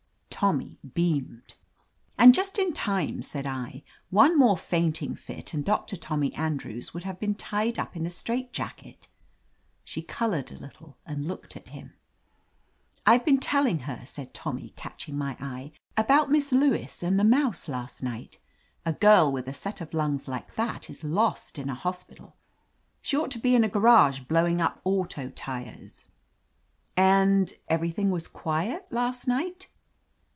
Tommy beamed. "And just in time!" said I. "One more fainting fit, and Doctor Tommy Andrews would have been tied up in a strait jacket.*' She colored a little and looked at hint I've been telling her," said Tommy, catch ing my eye, "about Miss Lewis and the m^nise last night. A girl with a set of lungs like that is lost in a hospital. She ought to be in a . garage blowing up auto tires." "And — everything was quiet last night?"